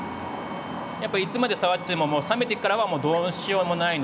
やっぱいつまで触っててももう冷めてからはもうどうしようもないので。